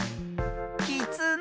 きつね。